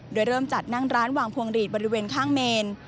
โดยเริ่มจัดนั่งร้านวางพวงหลีดบริเวณข้างเมน